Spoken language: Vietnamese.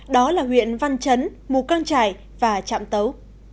đó là huyện văn chấn mù căng trải và trạm tấu